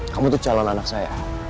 kamu tuh calon anak saya